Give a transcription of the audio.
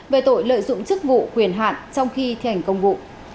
về tội lợi dụng chức vụ quyền hạn trong khi thẻn công vụ